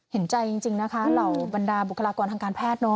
เห็นใจจริงนะคะเหล่าบรรดาบุคลากรทางการแพทย์